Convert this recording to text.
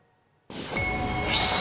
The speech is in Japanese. よし！